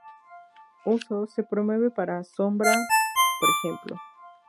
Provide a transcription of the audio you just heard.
Usos: Se promueve para sombra, p.ej.